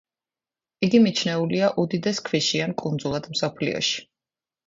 იგი მიჩნეულია უდიდეს ქვიშიან კუნძულად მსოფლიოში.